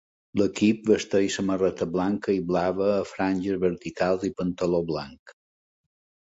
L'equip vesteix samarreta blanca i blava a franges verticals i pantaló blanc.